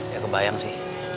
ya kebayang sih